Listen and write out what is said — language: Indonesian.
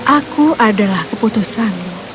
aku adalah keputusanmu